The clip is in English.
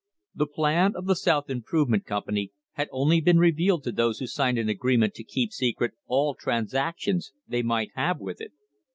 The plan of the South Improvement Company had only been re vealed to those who signed an agreement to keep secret all transactions they might have with it.